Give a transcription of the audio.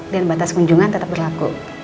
dan batas kunjungan tetap berlaku